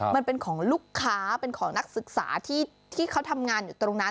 มันเป็นของลูกค้าเป็นของนักศึกษาที่เขาทำงานอยู่ตรงนั้น